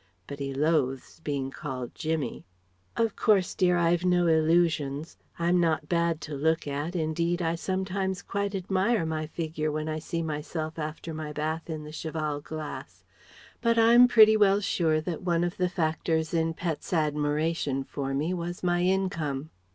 But he loathes being called 'Jimmy.' "Of course, dear, I've no illusions. I'm not bad to look at indeed I sometimes quite admire my figure when I see myself after my bath in the cheval glass but I'm pretty well sure that one of the factors in Pet's admiration for me was my income.